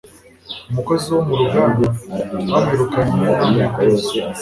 umukozi wo mu ruganda bamwirukanye nta nteguza